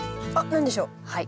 何でしょう？